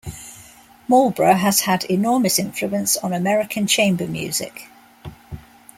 Marlboro has had enormous influence on American chamber music.